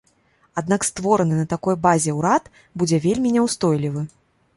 Аднак створаны на такой базе ўрад будзе вельмі няўстойлівы.